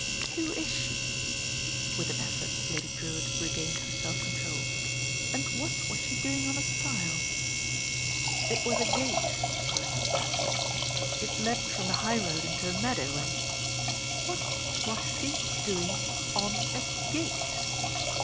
"Who is she?" With an effort Lady Drewitt re gained her self control, "and what was she doing on a stile?" "It was a gate," corrected Beresford. "It led from the high road into a meadow and " "What — y^zs — she — doing — on — a — ^gate